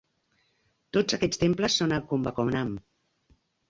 Tots aquests temples són a Kumbakonam.